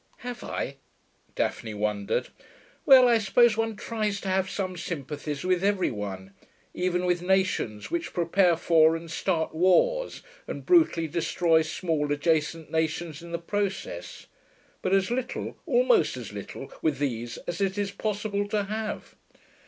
'Have I?' Daphne wondered. 'Well, I suppose one tries to have some sympathies with every one even with nations which prepare for and start wars and brutally destroy small adjacent nations in the process. But as little, almost as little, with these as it is possible to have....